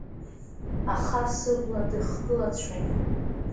Аха сыбла дыхгылацәоуп…